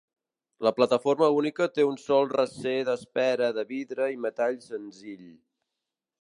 La plataforma única té un sol recer d'espera de vidre i metall senzill.